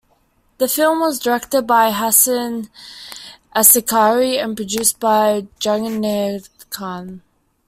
The film was directed by Hasan Askari and produced by Jahangir Khan.